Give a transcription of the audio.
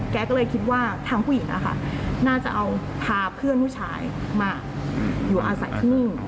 แกก็เลยคิดว่าทางผู้หญิงน่าจะเอาพาเพื่อนผู้ชายมาอยู่อาศัยที่นี่